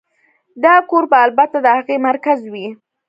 دا کور به البته د هغې مرکز وي